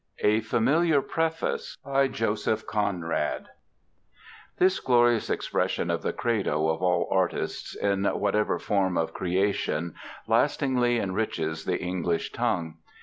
'" A FAMILIAR PREFACE By JOSEPH CONRAD This glorious expression of the credo of all artists, in whatever form of creation, lastingly enriches the English tongue.